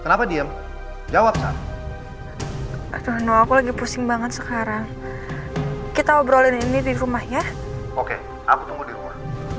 apa jawab saat itu aku lagi pusing banget sekarang kita obrolin ini di rumah ya oke aku tunggu di luar